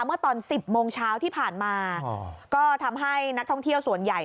เมื่อตอน๑๐โมงเช้าที่ผ่านมาก็ทำให้นักท่องเที่ยวส่วนใหญ่